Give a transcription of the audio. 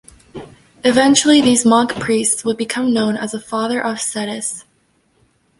Eventually these monk priests would become known as a "Father of Scetis".